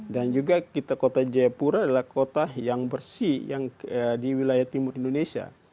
dan juga kita kota jayapura adalah kota yang bersih yang di wilayah timur indonesia